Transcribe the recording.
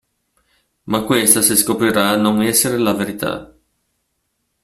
Ma questa si scoprirà non essere la verità.